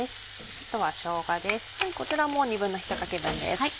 あとはしょうがです。